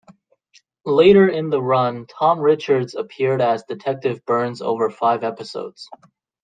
Later in the run Tom Richards appeared as Detective Burns over five episodes.